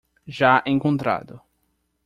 Já encontrado